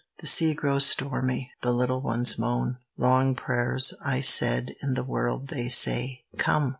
"The sea grows stormy, the little ones moan; Long prayers," I said, "in the world they say; Come!"